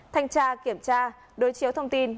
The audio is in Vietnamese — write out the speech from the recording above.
thanh tra kiểm tra đối chiếu thông tin